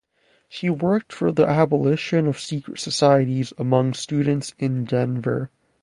She worked for the abolition of secret societies among students in Denver.